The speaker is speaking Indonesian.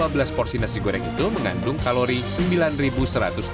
belum ada cara ribut